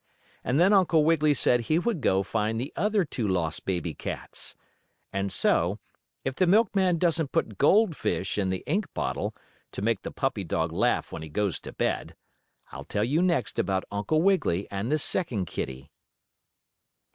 And then Uncle Wiggily said he would go find the other two lost baby cats. And so, if the milkman doesn't put goldfish in the ink bottle, to make the puppy dog laugh when he goes to bed, I'll tell you next about Uncle Wiggily and the second kittie.